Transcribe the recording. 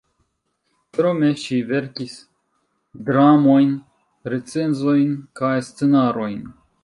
Krome ŝi verkis dramojn, recenzojn kaj scenarojn.